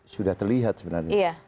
sudah terlihat sebenarnya